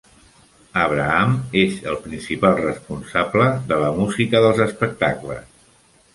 Abraham és el principal responsable de la música dels espectacles.